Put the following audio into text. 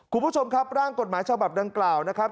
คุณผู้ชมครับร่างกฎหมายฉบับดังกล่าวนะครับ